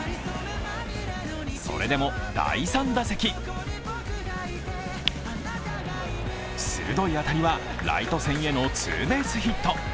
それでも、第３打席鋭い当たりは、ライト線へのツーベースヒット。